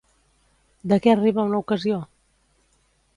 De què arriba una ocasió?